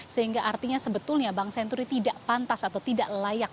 sehingga artinya sebetulnya bank senturi tidak pantas atau tidak layak